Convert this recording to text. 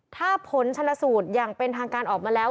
ถ้าผลชนสูตรอย่างเป็นทางการออกมาแล้ว